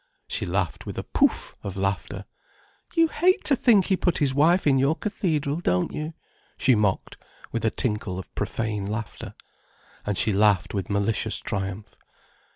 She laughed with a pouf! of laughter. "You hate to think he put his wife in your cathedral, don't you?" she mocked, with a tinkle of profane laughter. And she laughed with malicious triumph.